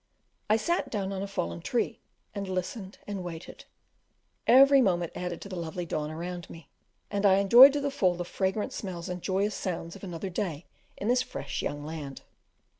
I sat down on a fallen tree, and listened and waited: every moment added to the lovely dawn around me, and I enjoyed to the full the fragrant smells and joyous sounds of another day in this fresh young land.